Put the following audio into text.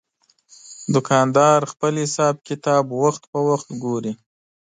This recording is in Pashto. دوکاندار خپل حساب کتاب وخت پر وخت ګوري.